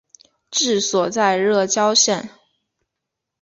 治所在乐郊县。